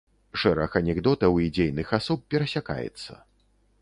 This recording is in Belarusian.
Шэраг анекдотаў і дзейных асоб перасякаецца.